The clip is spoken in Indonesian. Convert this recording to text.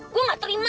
gue gak terima